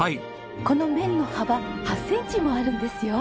この麺の幅８センチもあるんですよ。